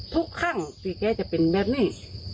ทุกข้างปีแกจะเป็นแบบนี้